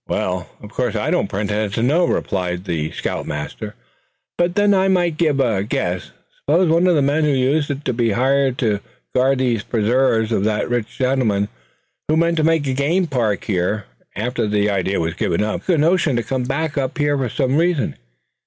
"Well, of course I don't pretend to know," replied the scout master; "but then I might give a guess. Suppose one of the men who used to be hired to guard these preserves of that rich gentleman who meant to make a game park here, after the idea was given up, took a notion to come back up here for some reason.